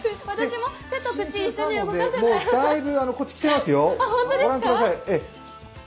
だいぶ、こっち来てますよ。